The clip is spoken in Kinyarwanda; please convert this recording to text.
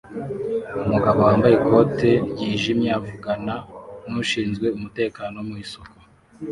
Umugabo wambaye ikote ryijimye avugana nushinzwe umutekano mu isoko